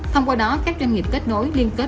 thông qua đó các doanh nghiệp kết nối liên kết